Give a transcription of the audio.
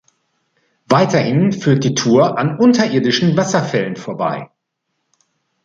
Weiterhin führt die Tour an unterirdischen Wasserfällen vorbei.